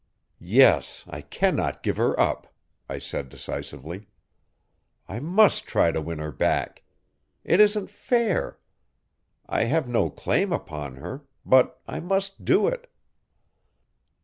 'Yes I cannot give her up,' I said decisively, 'I must try to win her back. It isn't fair. I have no claim upon her. But I must do it.